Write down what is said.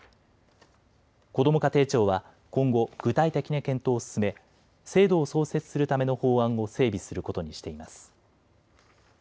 こども家庭庁は今後、具体的な検討を進め制度を創設するための法案を整備することにしています。